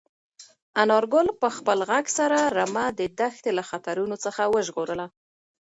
انارګل په خپل غږ سره رمه د دښتې له خطرونو څخه وژغورله.